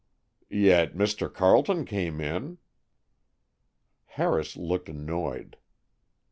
"Yet Mr. Carleton came in." Harris looked annoyed.